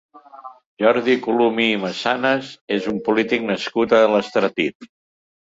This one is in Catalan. Jordi Colomí i Massanas és un polític nascut a l'Estartit.